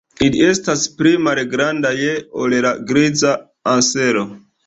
Ili estas pli malgrandaj ol la Griza ansero.